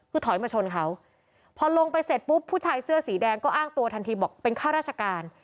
คือถอยมาชนเขาพอลงไปเสร็จปุ๊บผู้ชายเสื้อสีแดงก็อ้างตัวทันทีบอกเป็นข้าราชการ